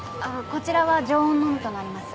こちらは常温のみとなります。